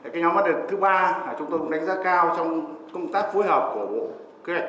cái nhóm bắt được thứ ba chúng tôi cũng đánh giá cao trong công tác phối hợp của kế hoạch